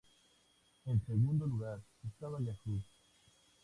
En segundo lugar estaba Yahoo!